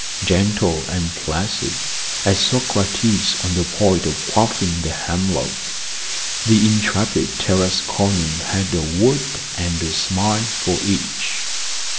Gentle and placid as Socrates on the point of quaffing the hemlock, the intrepid Tarasconian had a word and a smile for each.